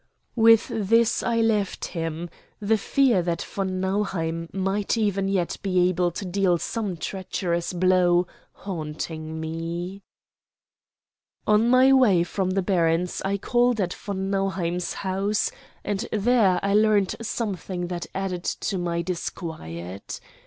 With this I left him, the fear that von Nauheim might even yet be able to deal some treacherous blow haunting me. On my way from the baron's I called at von Nauheim's house, and there I learned something that added to my disquiet.